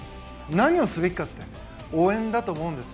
何をすべきかって応援だと思うんです。